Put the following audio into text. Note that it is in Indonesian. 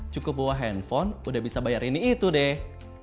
cukup bawa handphone udah bisa bayar ini itu deh